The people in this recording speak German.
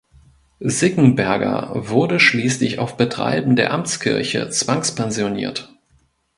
Sickenberger wurde schließlich auf Betreiben der Amtskirche zwangspensioniert.